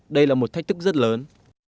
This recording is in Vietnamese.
đây là một thách thức rất lớn